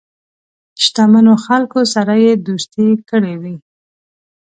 شته منو خلکو سره یې دوستی کړې وي.